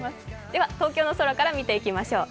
では東京の空から見ていきましょう。